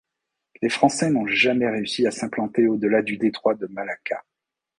Les Français n'ont jamais réussi à s'implanter au-delà du détroit de Malacca.